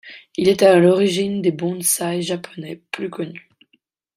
Il est à l'origine des bonsaï japonais, plus connus.